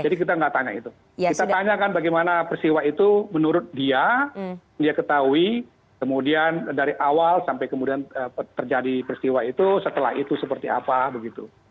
jadi kita gak tanya itu kita tanyakan bagaimana peristiwa itu menurut dia dia ketahui kemudian dari awal sampai kemudian terjadi peristiwa itu setelah itu seperti apa begitu